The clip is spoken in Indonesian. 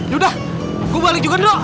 yaudah gue balik juga dulu